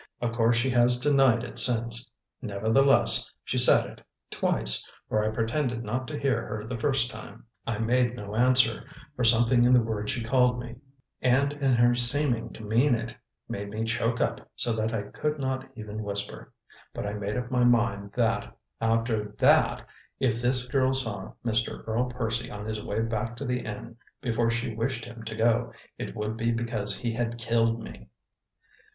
Of course she has denied it since; nevertheless, she said it twice, for I pretended not to hear her the first time. I made no answer, for something in the word she called me, and in her seeming to mean it, made me choke up so that I could not even whisper; but I made up my mind that, after THAT if this girl saw Mr. Earl Percy on his way back to the inn before she wished him to go, it would be because he had killed me.